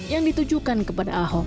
yang ditujukan kepada ahok